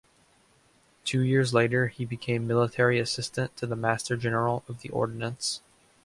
Two years later he became Military Assistant to the Master-General of the Ordnance.